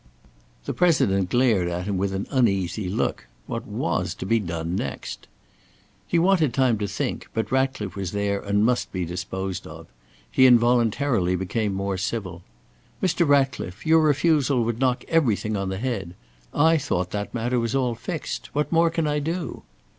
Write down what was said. The President glared at him with an uneasy look. What was to be done next? He wanted time to think, but Ratcliffe was there and must be disposed of. He involuntarily became more civil: "Mr. Ratcliffe, your refusal would knock everything on the head. I thought that matter was all fixed. What more can I do?"